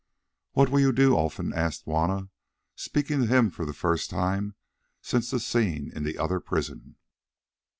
"What will do you, Olfan?" asked Juanna, speaking to him for the first time since the scene in the other prison.